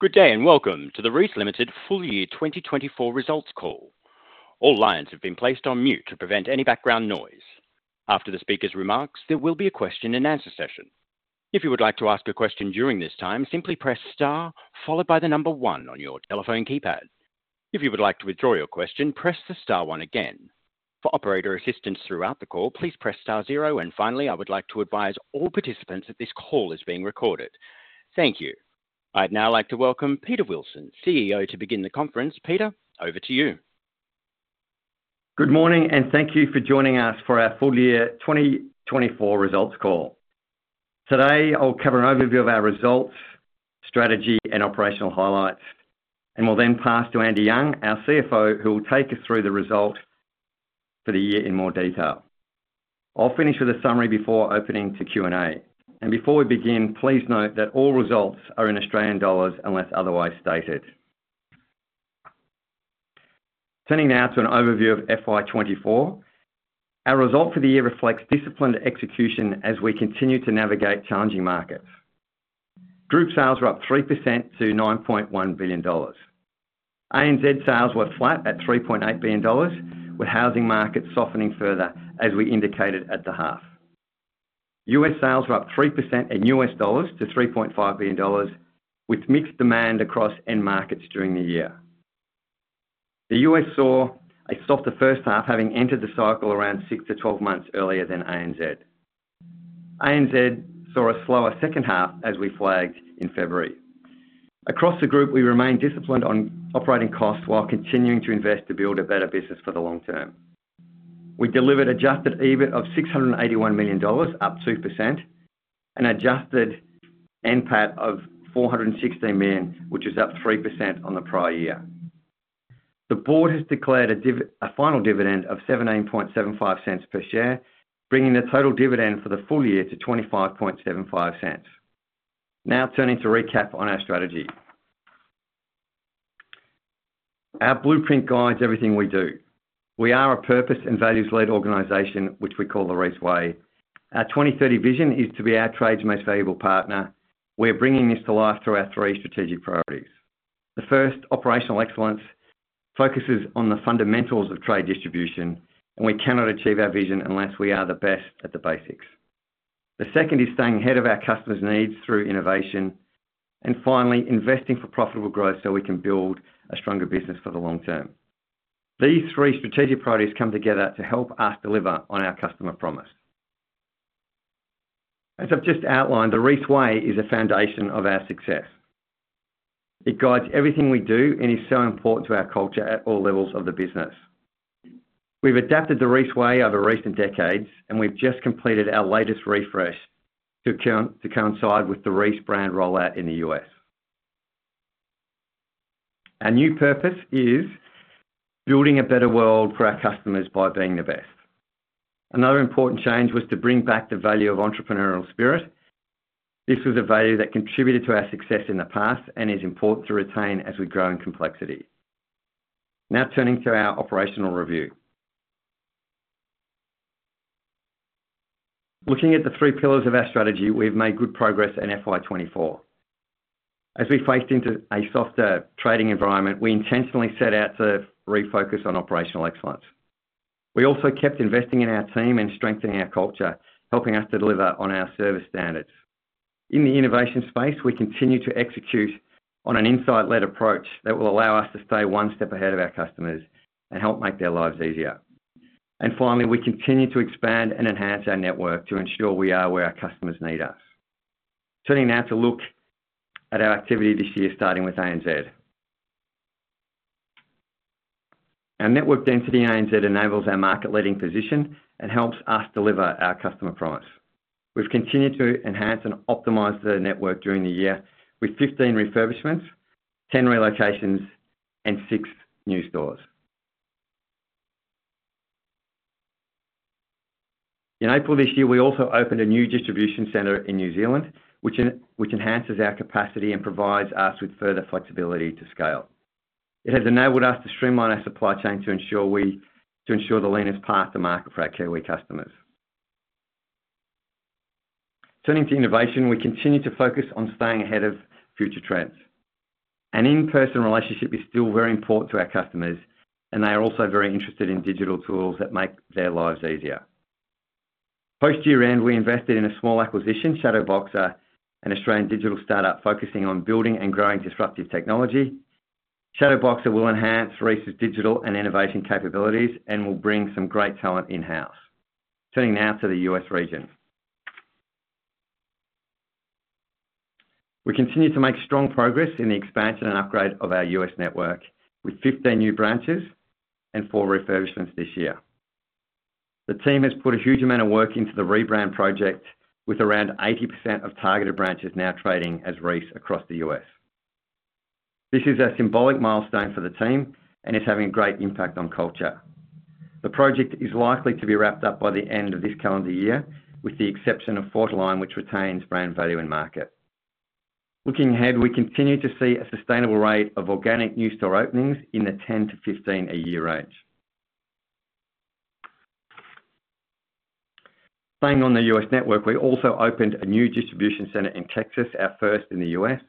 Good day, and welcome to the Reece Limited full year 2024four results call. All lines have been placed on mute to prevent any background noise. After the speaker's remarks, there will be a question-and-answer session. If you would like to ask a question during this time, simply press Star followed by the number one on your telephone keypad. If you would like to withdraw your question, press the star one again. For operator assistance throughout the call, please press star zero, and finally, I would like to advise all participants that this call is being recorded. Thank you. I'd now like to welcome Peter Wilson, CEO, to begin the conference. Peter, over to you. Good morning, and thank you for joining us for our full year 2024 results call. Today, I'll cover an overview of our results, strategy, and operational highlights, and will then pass to Andy Young, our CFO, who will take us through the results for the year in more detail. I'll finish with a summary before opening to Q&A. Before we begin, please note that all results are in Australian dollars unless otherwise stated. Turning now to an overview of FY 2024. Our results for the year reflects disciplined execution as we continue to navigate challenging markets. Group sales were up 3% to 9.1 billion dollars. ANZ sales were flat at 3.8 billion dollars, with housing markets softening further as we indicated at the half. U.S. sales were up 3% in U.S. dollars to $3.5 billion, with mixed demand across end markets during the year. The U.S. saw a softer first half, having entered the cycle around six to 12 months earlier than ANZ. ANZ saw a slower second half, as we flagged in February. Across the group, we remain disciplined on operating costs while continuing to invest to build a better business for the long term. We delivered adjusted EBIT of $681 million, up 2%, and adjusted NPAT of $416 million, which is up 3% on the prior year. The board has declared a final dividend of $0.1775 per share, bringing the total dividend for the full year to $0.2575. Now, turning to recap on our strategy. Our Blueprint guides everything we do. We are a purpose and values-led organization, which we call the Reece Way. Our 2030 vision is to be our trade's most valuable partner. We're bringing this to life through our three strategic priorities. The first, operational excellence, focuses on the fundamentals of trade distribution, and we cannot achieve our vision unless we are the best at the basics. The second is staying ahead of our customers' needs through innovation, and finally, investing for profitable growth so we can build a stronger business for the long term. These three strategic priorities come together to help us deliver on our customer promise. As I've just outlined, the Reece Way is a foundation of our success. It guides everything we do and is so important to our culture at all levels of the business. We've adapted The Reece Way over recent decades, and we've just completed our latest refresh to coincide with the Reece brand rollout in the U.S., Our new purpose is building a better world for our customers by being the best. Another important change was to bring back the value of entrepreneurial spirit. This was a value that contributed to our success in the past and is important to retain as we grow in complexity. Now turning to our operational review. Looking at the three pillars of our strategy, we've made good progress in FY 2024. As we faced into a softer trading environment, we intentionally set out to refocus on operational excellence. We also kept investing in our team and strengthening our culture, helping us to deliver on our service standards. In the innovation space, we continue to execute on an insight-led approach that will allow us to stay one step ahead of our customers and help make their lives easier, and finally, we continue to expand and enhance our network to ensure we are where our customers need us. Turning now to look at our activity this year, starting with ANZ. Our network density in ANZ enables our market-leading position and helps us deliver our customer promise. We've continued to enhance and optimize the network during the year with 15 refurbishments, 10 relocations, and six new stores. In April this year, we also opened a new distribution center in New Zealand, which enhances our capacity and provides us with further flexibility to scale. It has enabled us to streamline our supply chain to ensure the leanest path to market for our key customers. Turning to innovation, we continue to focus on staying ahead of future trends. An in-person relationship is still very important to our customers, and they are also very interested in digital tools that make their lives easier. Post year-end, we invested in a small acquisition, Shadowboxer, an Australian digital startup focusing on building and growing disruptive technology. Shadowboxer will enhance Reece's digital and innovation capabilities and will bring some great talent in-house. Turning now to the U.S. region. We continue to make strong progress in the expansion and upgrade of our U.S. network, with 15 new branches and four refurbishments this year. The team has put a huge amount of work into the rebrand project, with around 80% of targeted branches now trading as Reece across the U.S. This is a symbolic milestone for the team and is having a great impact on culture. The project is likely to be wrapped up by the end of this calendar year, with the exception of Fortiline, which retains brand value in market. Looking ahead, we continue to see a sustainable rate of organic new store openings in the 10-15 a year range.... Staying on the U.S. network, we also opened a new distribution center in Texas, our first in the U.S.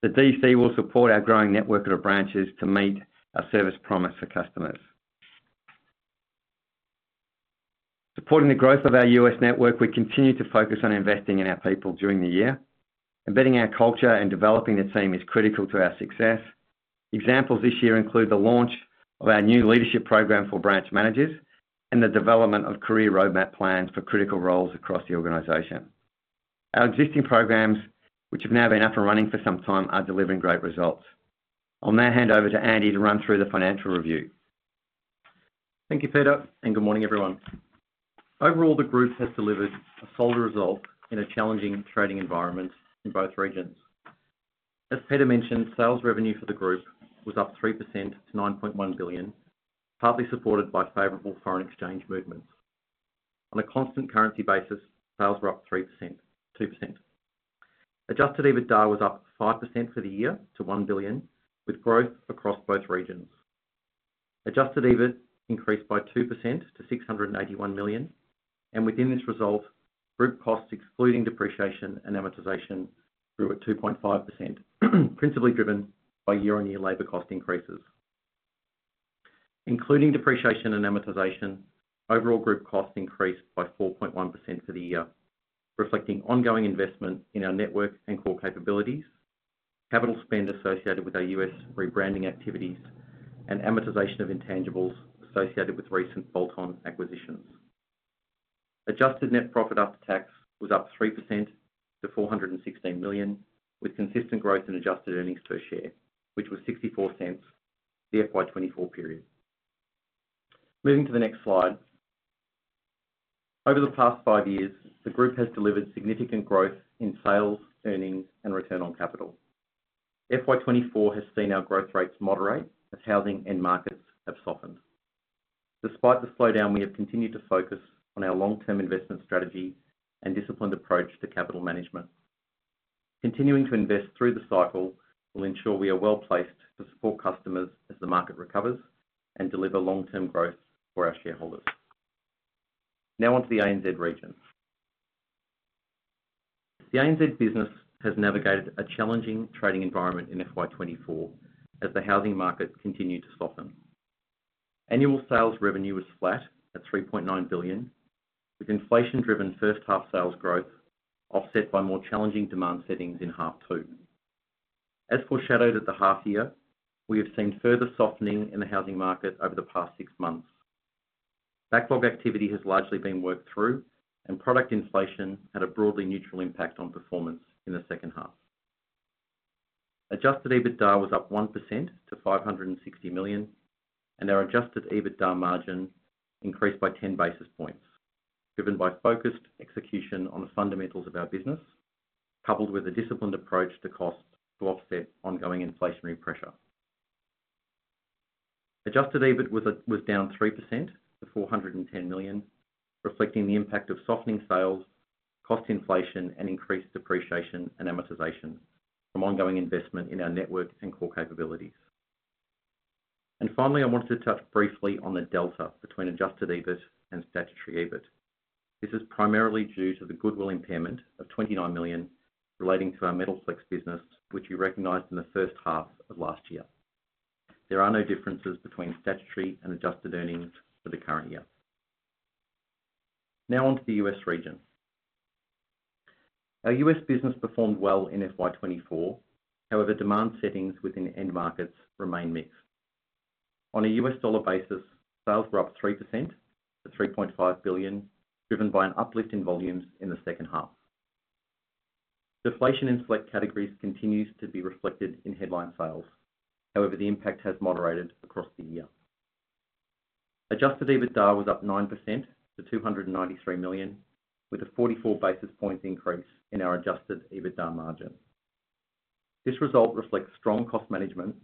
The DC will support our growing network of branches to meet our service promise to customers. Supporting the growth of our U.S. network, we continue to focus on investing in our people during the year. Embedding our culture and developing the team is critical to our success. Examples this year include the launch of our new leadership program for branch managers, and the development of career roadmap plans for critical roles across the organization. Our existing programs, which have now been up and running for some time, are delivering great results. I'll now hand over to Andy to run through the financial review. Thank you, Peter, and good morning, everyone. Overall, the group has delivered a solid result in a challenging trading environment in both regions. As Peter mentioned, sales revenue for the group was up 3% to 9.1 billion, partly supported by favorable foreign exchange movements. On a constant currency basis, sales were up 3%, 2%. Adjusted EBITDA was up 5% for the year to 1 billion, with growth across both regions. Adjusted EBIT increased by 2% to 681 million, and within this result, group costs, excluding depreciation and amortization, grew at 2.5%, principally driven by year-on-year labor cost increases. Including depreciation and amortization, overall group costs increased by 4.1% for the year, reflecting ongoing investment in our network and core capabilities, capital spend associated with our U.S. rebranding activities, and amortization of intangibles associated with recent bolt-on acquisitions. Adjusted net profit after tax was up 3% to 416 million, with consistent growth in adjusted earnings per share, which was 0.64, FY 2024 period. Moving to the next slide. Over the past five years, the group has delivered significant growth in sales, earnings, and return on capital. FY 2024 has seen our growth rates moderate as housing end markets have softened. Despite the slowdown, we have continued to focus on our long-term investment strategy and disciplined approach to capital management. Continuing to invest through the cycle will ensure we are well-placed to support customers as the market recovers and deliver long-term growth for our shareholders. Now on to the ANZ region. The ANZ business has navigated a challenging trading environment in FY 2024, as the housing market continued to soften. Annual sales revenue was flat at 3.9 billion, with inflation-driven first half sales growth offset by more challenging demand settings in half two. As foreshadowed at the half year, we have seen further softening in the housing market over the past six months. Backlog activity has largely been worked through, and product inflation had a broadly neutral impact on performance in the second half. Adjusted EBITDA was up 1% to 560 million, and our adjusted EBITDA margin increased by 10 basis points, driven by focused execution on the fundamentals of our business, coupled with a disciplined approach to cost to offset ongoing inflationary pressure. Adjusted EBIT was down 3% to 410 million, reflecting the impact of softening sales, cost inflation, and increased depreciation and amortization from ongoing investment in our network and core capabilities. And finally, I wanted to touch briefly on the delta between adjusted EBIT and statutory EBIT. This is primarily due to the goodwill impairment of 29 million relating to our Metalflex business, which we recognized in the first half of last year. There are no differences between statutory and adjusted earnings for the current year. Now on to the U.S. region. Our U.S. business performed well in FY 2024. However, demand settings within end markets remain mixed. On a U.S. dollar basis, sales were up 3% to $3.5 billion, driven by an uplift in volumes in the second half. Deflation in select categories continues to be reflected in headline sales. However, the impact has moderated across the year. Adjusted EBITDA was up 9% to $293 million, with a 44 basis points increase in our adjusted EBITDA margin. This result reflects strong cost management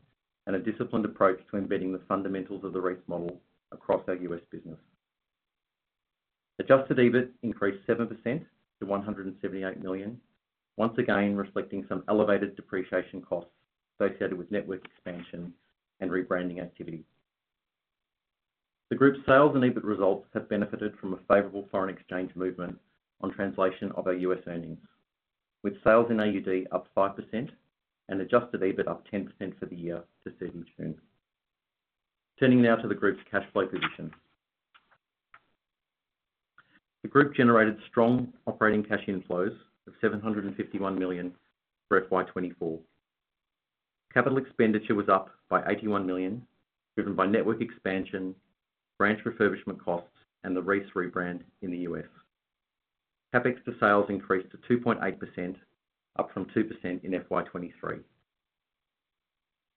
and a disciplined approach to embedding the fundamentals of the Reece model across our U.S. business. Adjusted EBIT increased 7% to $178 million, once again, reflecting some elevated depreciation costs associated with network expansion and rebranding activities. The group's sales and EBIT results have benefited from a favorable foreign exchange movement on translation of our U.S. earnings, with sales in AUD up 5% and adjusted EBIT up 10% for the year to 17%. Turning now to the group's cash flow position. The group generated strong operating cash inflows of 751 million for FY 2024. Capital expenditure was up by 81 million, driven by network expansion, branch refurbishment costs, and the Reece rebrand in the U.S. CapEx to sales increased to 2.8%, up from 2% in FY 2023.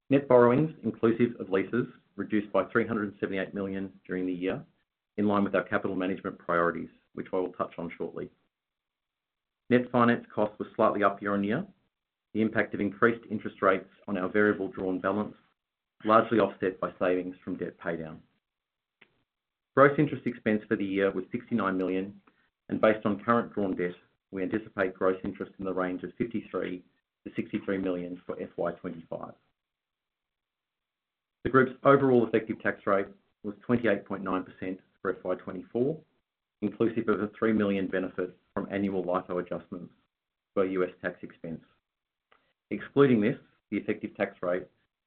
Net borrowings, inclusive of leases, reduced by 378 million during the year, in line with our capital management priorities, which I will touch on shortly. Net finance costs were slightly up year-on-year. The impact of increased interest rates on our variable drawn balance, largely offset by savings from debt paydown. Gross interest expense for the year was 69 million, and based on current drawn debt, we anticipate gross interest in the range of 53-63 million for FY 2025. The group's overall effective tax rate was 28.9% for FY 2024, inclusive of a 3 million benefit from annual LIFO adjustments for U.S. tax expense. Excluding this, the effective tax rate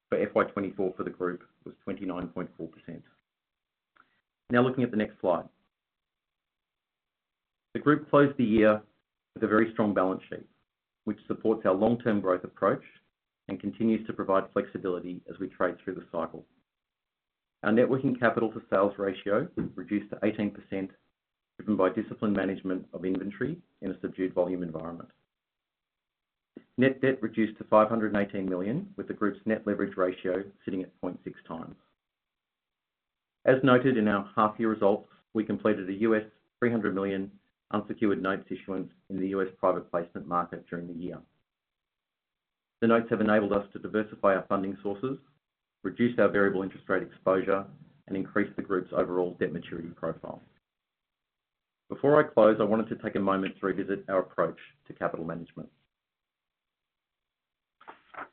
for FY 2024 for the group was 29.4%. Now looking at the next slide. The group closed the year with a very strong balance sheet, which supports our long-term growth approach and continues to provide flexibility as we trade through the cycle. Our net working capital to sales ratio reduced to 18%, driven by disciplined management of inventory in a subdued volume environment. Net debt reduced to 518 million, with the group's net leverage ratio sitting at 0.6 times. As noted in our half-year results, we completed a $300 million unsecured notes issuance in the U.S. private placement market during the year. The notes have enabled us to diversify our funding sources, reduce our variable interest rate exposure, and increase the group's overall debt maturity profile. Before I close, I wanted to take a moment to revisit our approach to capital management.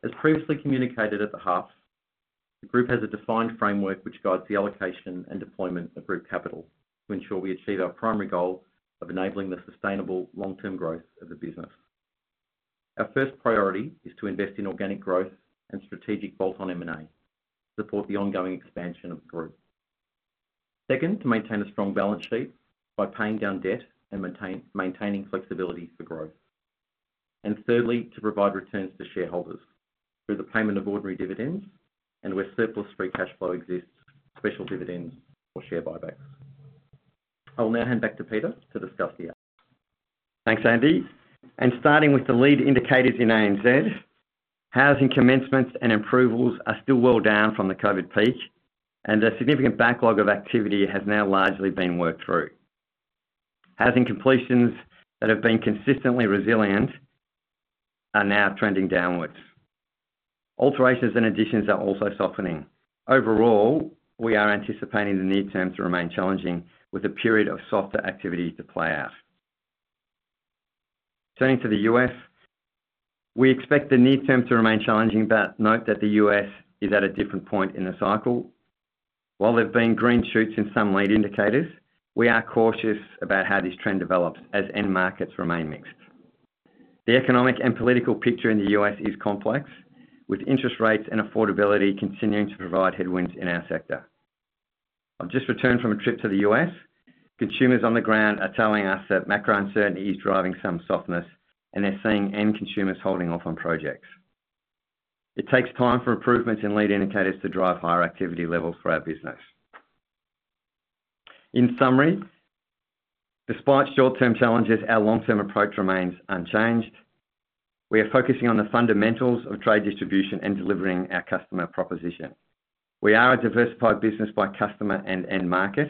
As previously communicated at the halves, the group has a defined framework which guides the allocation and deployment of group capital to ensure we achieve our primary goal of enabling the sustainable long-term growth of the business. Our first priority is to invest in organic growth and strategic bolt-on M&A to support the ongoing expansion of the group. Second, to maintain a strong balance sheet by paying down debt and maintaining flexibility for growth, and thirdly, to provide returns to shareholders through the payment of ordinary dividends, and where surplus free cash flow exists, special dividends or share buybacks. I'll now hand back to Peter to discuss the year. Thanks, Andy. And starting with the lead indicators in ANZ, housing commencements and approvals are still well down from the COVID peak, and a significant backlog of activity has now largely been worked through. Housing completions that have been consistently resilient are now trending downwards. Alterations and additions are also softening. Overall, we are anticipating the near term to remain challenging, with a period of softer activity to play out. Turning to the U.S., we expect the near term to remain challenging, but note that the U.S. is at a different point in the cycle. While there've been green shoots in some lead indicators, we are cautious about how this trend develops as end markets remain mixed. The economic and political picture in the U.S. is complex, with interest rates and affordability continuing to provide headwinds in our sector. I've just returned from a trip to the U.S. Consumers on the ground are telling us that macro uncertainty is driving some softness, and they're seeing end consumers holding off on projects. It takes time for improvements in lead indicators to drive higher activity levels for our business. In summary, despite short-term challenges, our long-term approach remains unchanged. We are focusing on the fundamentals of trade distribution and delivering our customer proposition. We are a diversified business by customer and end market,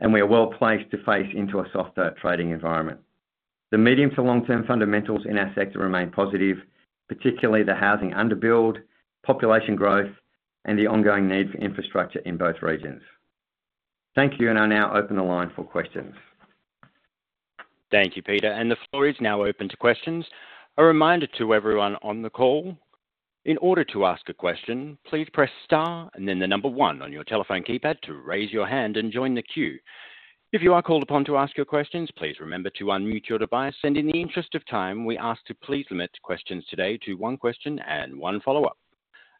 and we are well placed to face into a softer trading environment. The medium to long-term fundamentals in our sector remain positive, particularly the housing underbuild, population growth, and the ongoing need for infrastructure in both regions. Thank you, and I now open the line for questions. Thank you, Peter, and the floor is now open to questions. A reminder to everyone on the call, in order to ask a question, please press star and then the number one on your telephone keypad to raise your hand and join the queue. If you are called upon to ask your questions, please remember to unmute your device, and in the interest of time, we ask to please limit questions today to one question and one follow-up.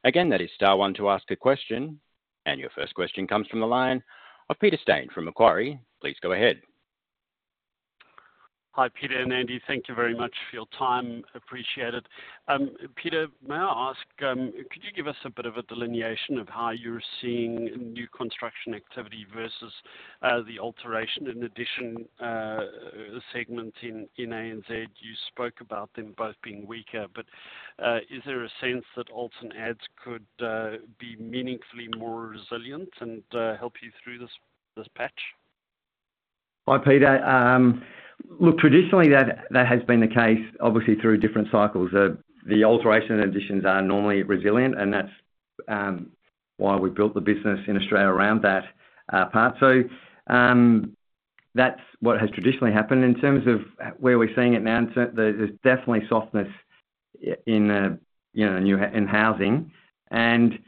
Again, that is star one to ask a question. And your first question comes from the line of Peter Steyn from Macquarie. Please go ahead. Hi, Peter and Andy. Thank you very much for your time. Appreciate it. Peter, may I ask, could you give us a bit of a delineation of how you're seeing new construction activity versus the alterations and additions segment in ANZ? You spoke about them both being weaker, but is there a sense that alts and adds could be meaningfully more resilient and help you through this patch? Hi, Peter. Look, traditionally, that has been the case, obviously, through different cycles. The alteration and additions are normally resilient, and that's why we built the business in Australia around that part. So, that's what has traditionally happened. In terms of where we're seeing it now, there's definitely softness in you know, in new housing, and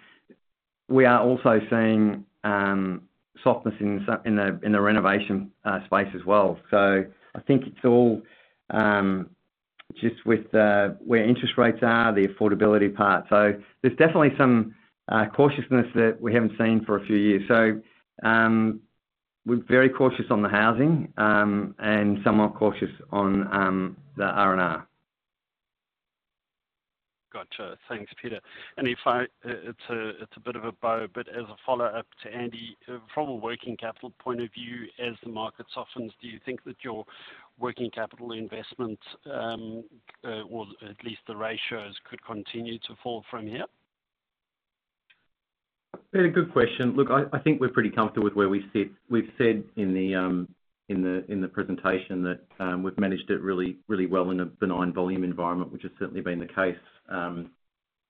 we are also seeing softness in the renovation space as well. So I think it's all just with where interest rates are, the affordability part. So there's definitely some cautiousness that we haven't seen for a few years. So, we're very cautious on the housing and somewhat cautious on the R&R. Gotcha. Thanks, Peter. And if I, It's a, it's a bit of a bow, but as a follow-up to Andy: from a working capital point of view, as the market softens, do you think that your working capital investment, or at least the ratios, could continue to fall from here? Yeah, good question. Look, I think we're pretty comfortable with where we sit. We've said in the presentation that we've managed it really, really well in a benign volume environment, which has certainly been the case.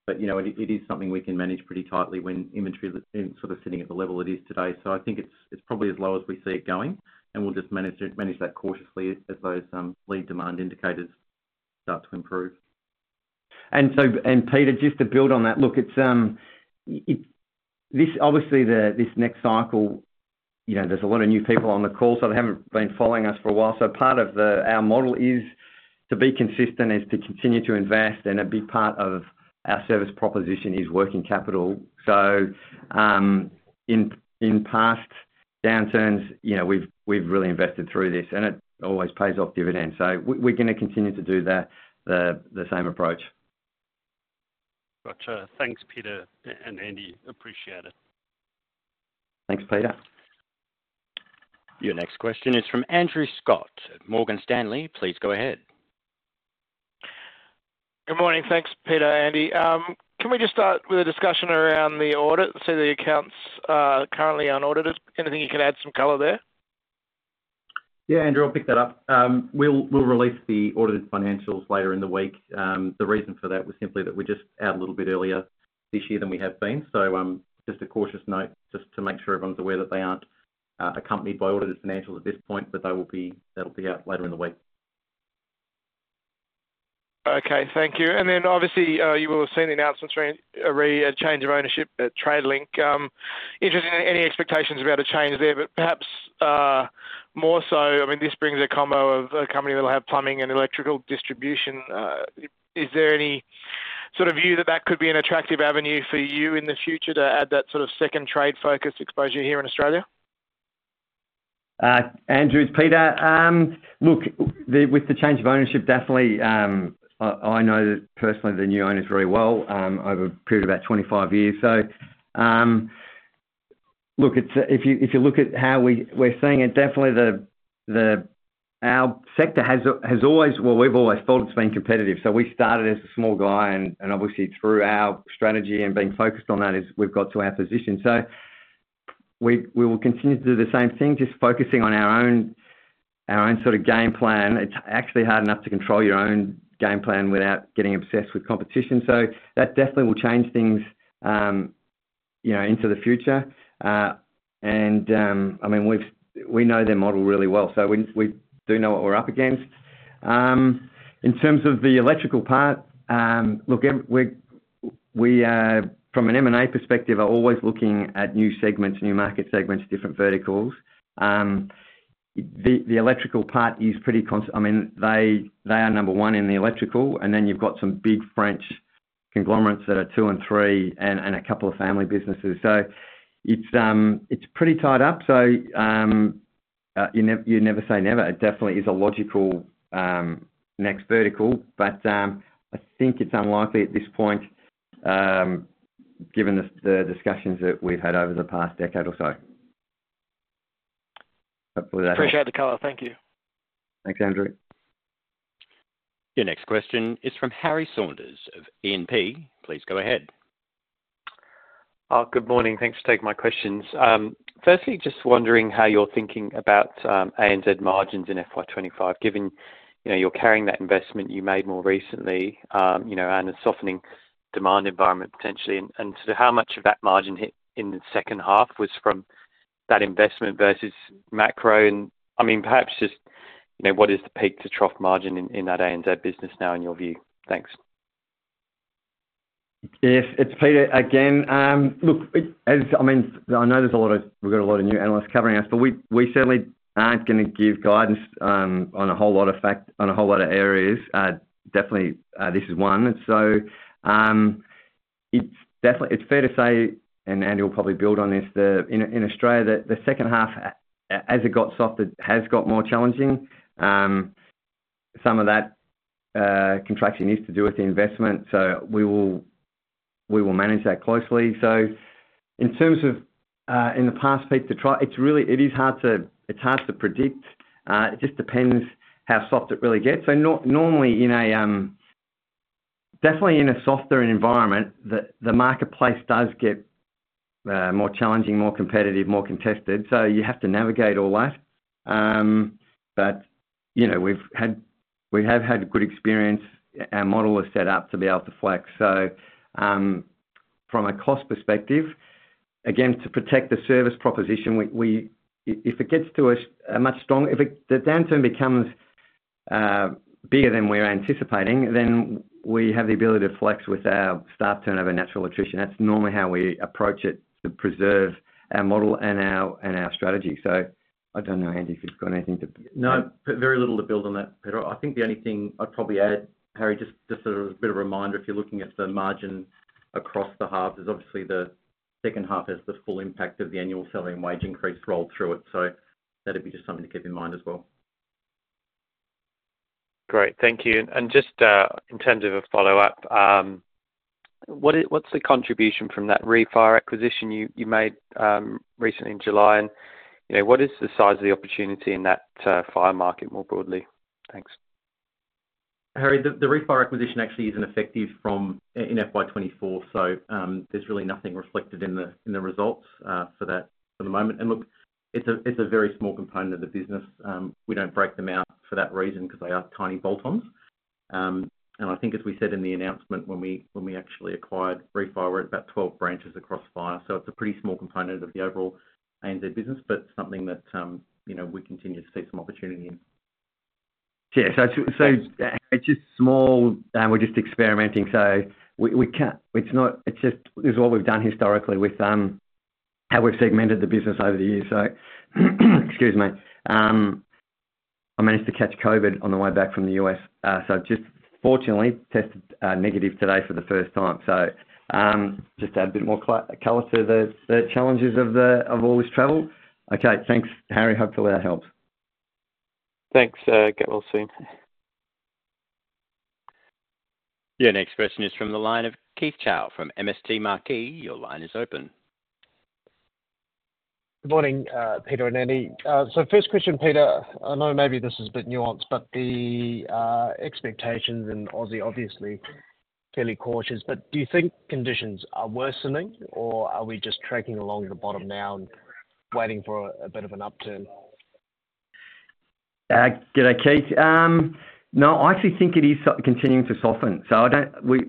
But, you know, it is something we can manage pretty tightly when inventory is sort of sitting at the level it is today. So I think it's probably as low as we see it going, and we'll just manage it, manage that cautiously as those lead demand indicators change, start to improve. And so, and Peter, just to build on that, look, it's this obviously the this next cycle, you know, there's a lot of new people on the call, so they haven't been following us for a while. So part of our model is to be consistent, is to continue to invest, and a big part of our service proposition is working capital. So in past downturns, you know, we've really invested through this, and it always pays off dividends. So we're gonna continue to do the same approach. Gotcha. Thanks, Peter and Andy. Appreciate it. Thanks, Peter. Your next question is from Andrew Scott, Morgan Stanley. Please go ahead. Good morning. Thanks, Peter, Andy. Can we just start with a discussion around the audit? See the accounts are currently unaudited. Anything you can add some color there? Yeah, Andrew, I'll pick that up. We'll release the audited financials later in the week. The reason for that was simply that we're just out a little bit earlier this year than we have been. So, just a cautious note, just to make sure everyone's aware that they aren't accompanied by audited financials at this point, but they will be. That'll be out later in the week. Okay, thank you. And then, obviously, you will have seen the announcement re a change of ownership at Tradelink. Interested in any expectations about a change there, but perhaps, more so, I mean, this brings a combo of a company that will have plumbing and electrical distribution. Is there any sort of view that that could be an attractive avenue for you in the future to add that sort of second trade-focused exposure here in Australia? Andrew, it's Peter. Look, with the change of ownership, definitely, I know personally the new owners very well, over a period of about 25 years. So, look, if you look at how we're seeing it, definitely our sector has always... Well, we've always thought it's been competitive. So we started as a small guy, and obviously through our strategy and being focused on that is we've got to our position. So we will continue to do the same thing, just focusing on our own sort of game plan. It's actually hard enough to control your own game plan without getting obsessed with competition. So that definitely will change things, you know, into the future. I mean, we know their model really well, so we do know what we're up against. In terms of the electrical part, look, we, from an M&A perspective, are always looking at new segments, new market segments, different verticals. The electrical part is pretty concentrated. I mean, they are number one in the electrical, and then you've got some big French conglomerates that are two and three, and a couple of family businesses. So it's pretty tied up, so you never say never. It definitely is a logical next vertical, but I think it's unlikely at this point, given the discussions that we've had over the past decade or so. Hopefully, that helps. Appreciate the color. Thank you. Thanks, Andrew. Your next question is from Harry Saunders of E&P. Please go ahead. Good morning. Thanks for taking my questions. Firstly, just wondering how you're thinking about ANZ margins in FY 2025, given, you know, you're carrying that investment you made more recently, you know, and a softening demand environment potentially, and so how much of that margin hit in the second half was from that investment versus macro? And I mean, perhaps just, you know, what is the peak-to-trough margin in that ANZ business now, in your view? Thanks. Yes, it's Peter again. Look, as I mean, I know we've got a lot of new analysts covering us, but we certainly aren't gonna give guidance on a whole lot of fronts, on a whole lot of areas. Definitely, this is one, so it's definitely. It's fair to say, and Andy will probably build on this, in Australia, the second half, as it got softer, has got more challenging. Some of that contraction is to do with the investment, so we will manage that closely, so in terms of in the past, peak to trough, it's really hard to predict. It just depends how soft it really gets. Normally, in a definitely softer environment, the marketplace does get more challenging, more competitive, more contested, so you have to navigate all that. But you know, we have had good experience. Our model is set up to be able to flex. From a cost perspective, again, to protect the service proposition, if the downturn becomes bigger than we're anticipating, then we have the ability to flex with our staff turnover, natural attrition. That's normally how we approach it, to preserve our model and our strategy. I don't know, Andy, if you've got anything to- No, very little to build on that, Peter. I think the only thing I'd probably add, Harry, just a bit of a reminder, if you're looking at the margin across the halves, is obviously the second half has the full impact of the annual selling wage increase rolled through it. So that'd be just something to keep in mind as well. Great. Thank you. And just, in terms of a follow-up, what's the contribution from that ReFire acquisition you made recently in July? And, you know, what is the size of the opportunity in that fire market more broadly? Thanks. Harry, the ReFire acquisition actually isn't effective from in FY 2024, so there's really nothing reflected in the results for that for the moment. Look, it's a very small component of the business. We don't break them out for that reason, because they are tiny bolt-ons. And I think, as we said in the announcement, when we actually acquired ReFire, we're at about 12 branches across fire. So it's a pretty small component of the overall ANZ business, but something that we continue to see some opportunity in. Yeah. So it's just small, and we're just experimenting, so we can't—it's not—it's just this is what we've done historically with how we've segmented the business over the years. So, excuse me. I managed to catch COVID on the way back from the U.S., so just fortunately tested negative today for the first time. So, just to add a bit more color to the challenges of all this travel. Okay, thanks, Harry. Hopefully, that helps. Thanks, get well soon. Your next question is from the line of Keith Chau from MST Marquee. Your line is open. Good morning, Peter and Andy. So first question, Peter. I know maybe this is a bit nuanced, but the expectations in Aussie, obviously, fairly cautious, but do you think conditions are worsening, or are we just tracking along the bottom now and waiting for a bit of an uptick? Good day, Keith. No, I actually think it is continuing to soften, so we,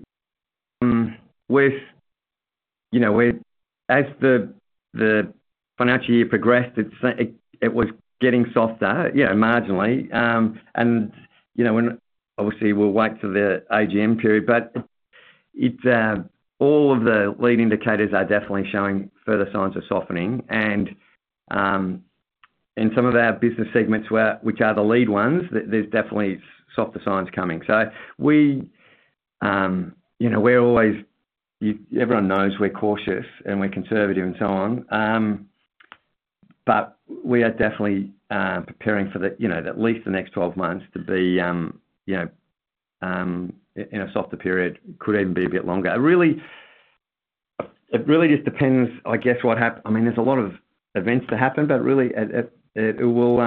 with, you know, as the financial year progressed, it was getting softer, you know, marginally. And, you know, obviously, we'll wait for the AGM period, but all of the lead indicators are definitely showing further signs of softening. And in some of our business segments which are the lead ones, there's definitely softer signs coming. So we, you know, we're always... Everyone knows we're cautious and we're conservative, and so on. But we are definitely preparing for the, you know, at least the next 12 months to be, you know, in a softer period, could even be a bit longer. Really, it really just depends, I guess, what happens. I mean, there's a lot of events to happen, but really, it will,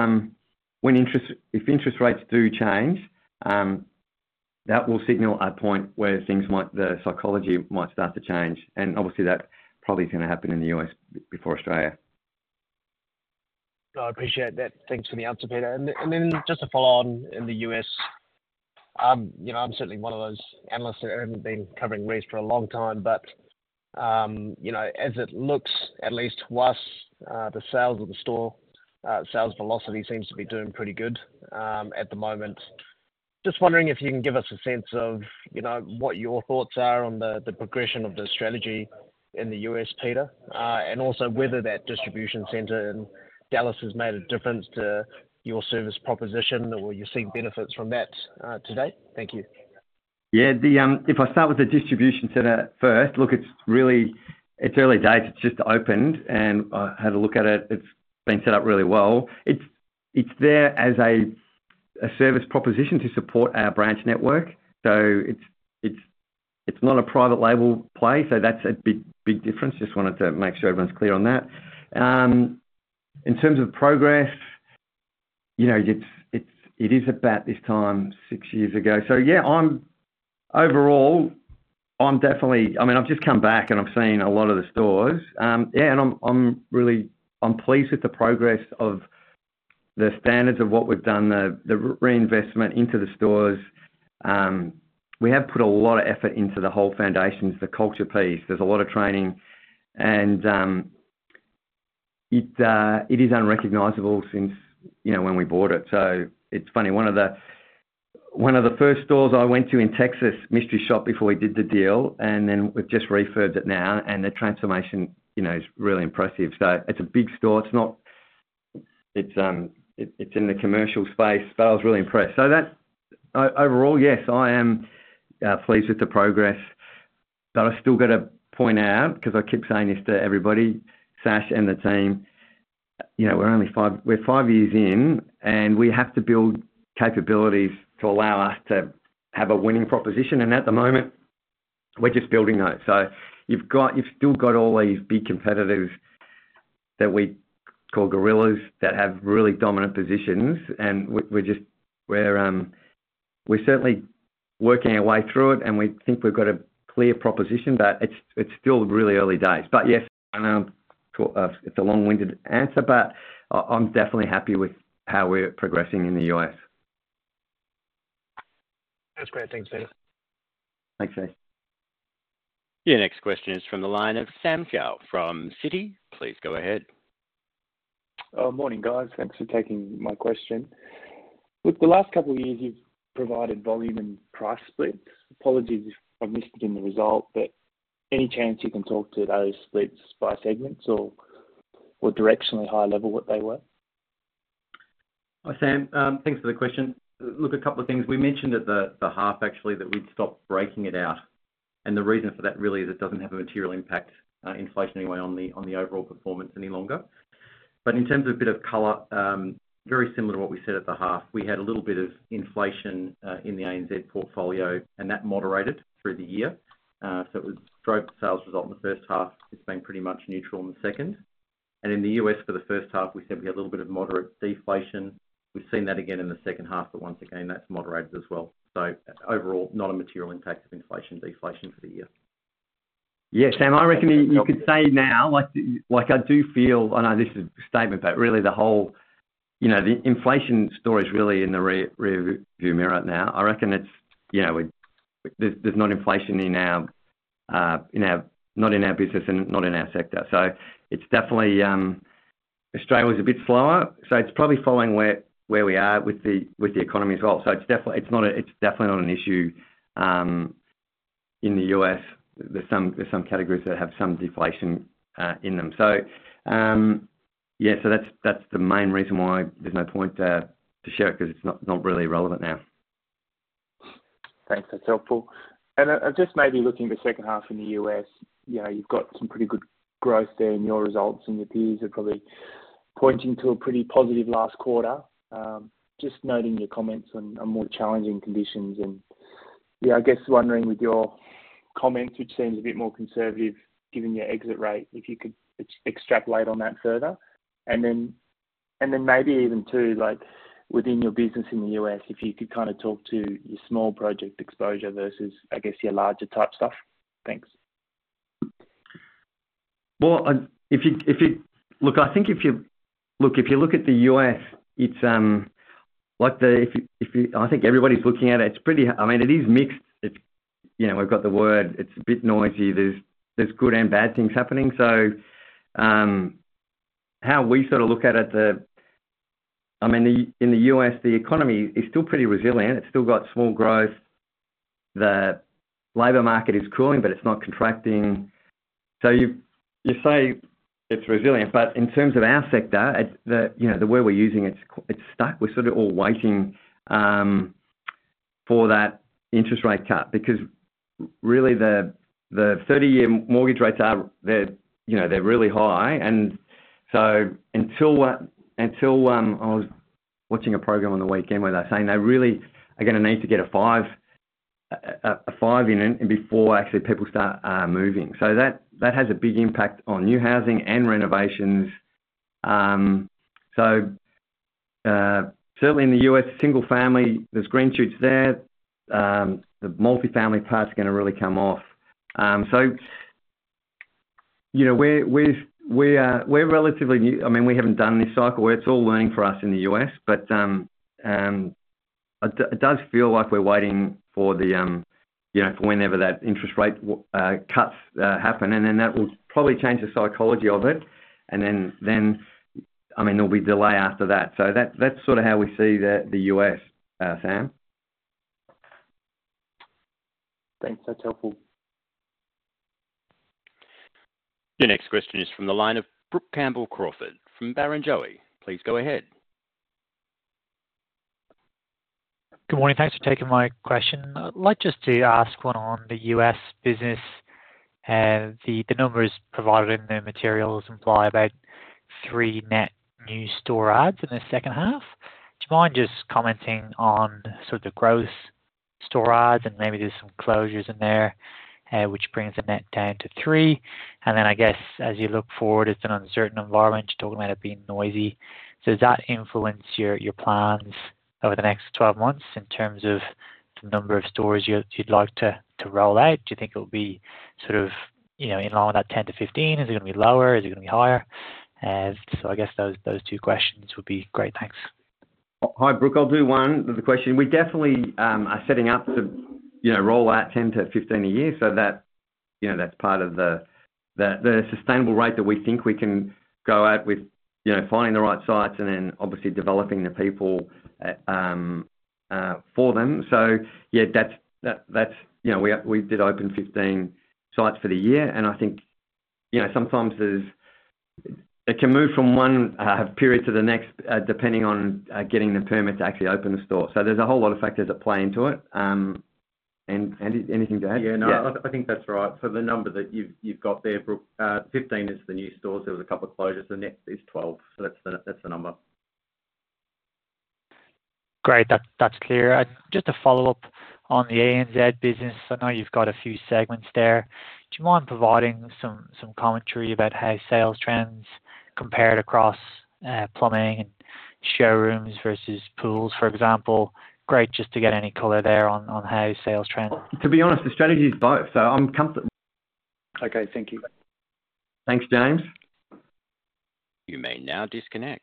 when interest rates do change, that will signal a point where things might, the psychology might start to change, and obviously, that probably is gonna happen in the U.S. before Australia. I appreciate that. Thanks for the answer, Peter. And then just to follow on in the U.S., you know, I'm certainly one of those analysts that haven't been covering Reece for a long time, but, you know, as it looks, at least to us, the sales of the store, sales velocity seems to be doing pretty good, at the moment. Just wondering if you can give us a sense of, you know, what your thoughts are on the progression of the strategy in the U.S., Peter, and also whether that distribution center in Dallas has made a difference to your service proposition, or were you seeing benefits from that, today? Thank you. Yeah, the... If I start with the distribution center first, look, it's really, it's early days. It's just opened, and I had a look at it. It's there as a service proposition to support our branch network, so it's not a private label play, so that's a big difference. Just wanted to make sure everyone's clear on that. In terms of progress, you know, it is about this time, six years ago. So yeah, overall, I'm definitely. I mean, I've just come back, and I've seen a lot of the stores. Yeah, and I'm really pleased with the progress of the standards of what we've done, the reinvestment into the stores. We have put a lot of effort into the whole foundations, the culture piece. There's a lot of training, and it is unrecognizable since, you know, when we bought it. So it's funny, one of the first stores I went to in Texas. Mystery shopped before we did the deal, and then we've just revisited it now, and the transformation, you know, is really impressive. So it's a big store, it's not. It's in the commercial space, but I was really impressed. So that, overall, yes, I am pleased with the progress, but I've still got to point out, because I keep saying this to everybody, Sash and the team, you know, we're only five years in, and we have to build capabilities to allow us to have a winning proposition. And at the moment, we're just building those. So you've got, you've still got all these big competitors that we call gorillas, that have really dominant positions. And we're just working our way through it, and we think we've got a clear proposition, but it's still really early days. But yes, I know it's a long-winded answer, but I'm definitely happy with how we're progressing in the U.S. That's great. Thanks, Peter. Thanks, Keith. Your next question is from the line of Sam Seow from Citi. Please go ahead. Morning, guys. Thanks for taking my question. Look, the last couple of years, you've provided volume and price splits. Apologies if I missed it in the result, but any chance you can talk to those splits by segments or directionally high level, what they were? Hi, Sam, thanks for the question. Look, a couple of things. We mentioned at the half actually, that we'd stopped breaking it out, and the reason for that really is it doesn't have a material impact, inflation anyway, on the overall performance any longer. But in terms of a bit of color, very similar to what we said at the half, we had a little bit of inflation in the ANZ portfolio, and that moderated through the year. So it would drove the sales result in the first half.It's been pretty much neutral in the second. And in the U.S., for the first half, we said we had a little bit of moderate deflation. We've seen that again in the second half, but once again, that's moderated as well. So overall, not a material impact of inflation, deflation for the year.... Yeah, Sam, I reckon you could say now, like, I do feel, I know this is a statement, but really, the whole, you know, the inflation story is really in the rear view mirror now. I reckon it's, you know, there's not inflation in our, in our, not in our business and not in our sector. So it's definitely, Australia is a bit slower, so it's probably following where we are with the economy as well. So it's definitely, it's not a, it's definitely not an issue, in the U.S., There's some categories that have some deflation in them. So, yeah, so that's the main reason why there's no point to share it, because it's not really relevant now. Thanks. That's helpful. And, just maybe looking at the second half in the U.S., you know, you've got some pretty good growth there in your results, and your peers are probably pointing to a pretty positive last quarter. Just noting your comments on a more challenging conditions and, yeah, I guess wondering with your comments, which seems a bit more conservative given your exit rate, if you could extrapolate on that further. And then maybe even, too, like within your business in the U.S., if you could kind of talk to your small project exposure versus, I guess, your larger type stuff. Thanks. Well, if you look at the U.S., it's like the. I think everybody's looking at it. It's pretty. I mean, it is mixed. It's, you know, we've got the world, it's a bit noisy. There's good and bad things happening. So, how we sort of look at it, I mean, the economy in the U.S. is still pretty resilient. It's still got small growth. The labor market is cooling, but it's not contracting. So you say it's resilient, but in terms of our sector, you know, the word we're using, it's stuck. We're sort of all waiting for that interest rate cut, because really, the 30-year mortgage rates are, you know, really high, and so until. I was watching a program on the weekend where they're saying they really are gonna need to get a five, a five in it, and before actually people start moving. So that has a big impact on new housing and renovations. Certainly in the U.S., single family, there's green shoots there. The multifamily part is gonna really come off. So you know, we're relatively new. I mean, we haven't done this cycle where it's all learning for us in the U.S., but it does feel like we're waiting for you know, for whenever that interest rate cuts happen, and then that will probably change the psychology of it. And then I mean, there'll be delay after that. So that's sort of how we see the U.S., Sam. Thanks. That's helpful. The next question is from the line of Brooke Campbell-Crawford from Barrenjoey. Please go ahead. Good morning. Thanks for taking my question. I'd like just to ask one on the U.S. business, the numbers provided in the materials imply about three net new store adds in the second half. Do you mind just commenting on sort of the growth store adds and maybe there's some closures in there, which brings the net down to three? And then, I guess, as you look forward, it's an uncertain environment. You're talking about it being noisy. So does that influence your plans over the next 12 months in terms of the number of stores you'd like to roll out? Do you think it'll be sort of, you know, in line with that 10-15? Is it gonna be lower? Is it gonna be higher? So I guess those two questions would be great. Thanks. Hi, Brooke. I'll do one of the question. We definitely are setting up to, you know, roll out 10-15 a year, so that, you know, that's part of the sustainable rate that we think we can go out with, you know, finding the right sites and then obviously developing the people for them. So yeah, that's, you know, we did open 15 sites for the year, and I think, you know, sometimes it can move from one period to the next, depending on getting the permit to actually open the store. So there's a whole lot of factors that play into it. And Andy, anything to add? Yeah, no, I think that's right. For the number that you've got there, Brooke, 15 is the new stores. There was a couple of closures, the net is 12. So that's the number. Great. That's, that's clear. Just to follow up on the ANZ business, I know you've got a few segments there. Do you mind providing some commentary about how sales trends compared across plumbing and showrooms versus pools, for example? Great, just to get any color there on how sales trends- To be honest, the strategy is both, so I'm comfort- Okay. Thank you. Thanks, James. You may now disconnect.